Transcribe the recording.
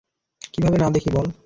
কিভাবে না দেখি বল?